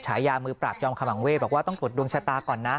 ฉายามือปราบจอมขมังเวศบอกว่าต้องตรวจดวงชะตาก่อนนะ